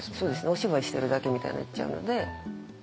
お芝居してるだけみたいになっちゃうので。